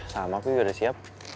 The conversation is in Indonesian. sama aku udah siap